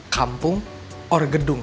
kampung or gedung